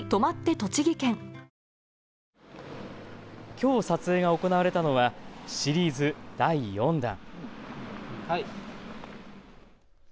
きょう撮影が行われたのはシリーズ第４弾。